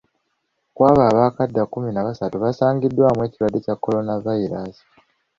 Kwabo abaakadda, kumi na basatu basangiddwamu ekirwadde kya coronavirus.